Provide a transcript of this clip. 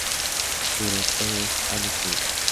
Su director es Alex Wood.